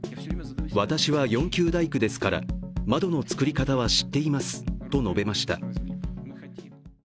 私は４級大工ですから窓の作り方は知っていますと述べました。